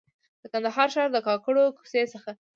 د کندهار ښار د کاکړو کوڅې څخه.